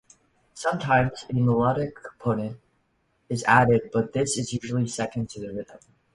Sometimes a melodic component is added, but this is usually secondary to the rhythm.